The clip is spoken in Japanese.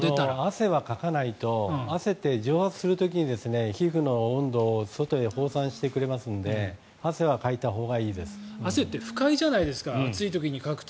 汗はかかないと汗って蒸発する時に皮膚の温度を外へ放散してくれますので汗って不快じゃないですか暑い時にかくと。